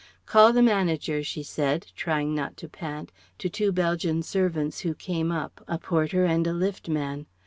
"Call the Manager," she said trying not to pant to two Belgian servants who came up, a porter and a lift man.